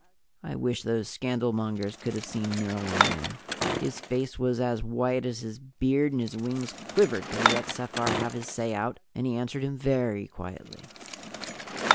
I wish those scandalmongers could have seen Myrwan then. His face was as white as his beard and his wings quivered, but he let Sephar have his say out and he answered him very quietly.